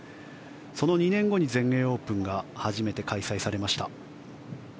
その２年後に全英オープンが初めて開催されました。